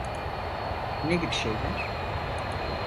Ne gibi şeyler?